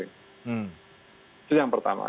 itu yang pertama